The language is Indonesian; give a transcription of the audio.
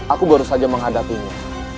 aku baru saja menghadapinya